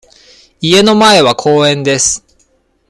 家の前は公園です。